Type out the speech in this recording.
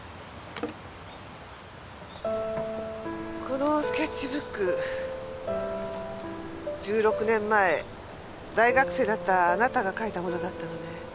このスケッチブック１６年前大学生だったあなたが描いたものだったのね。